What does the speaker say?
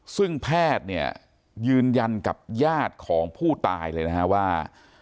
ซึ่งแพทย์เนี่ยยืนยันกับญาติของผู้ตายเลยนะฮะว่า